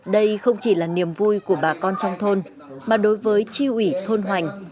đây không chỉ là niềm vui của bà con trong thôn mà đối với tri ủy thôn hoành